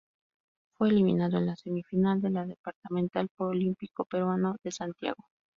Fue eliminado en la semifinal de la Departamental por Olímpico Peruano de Santiago.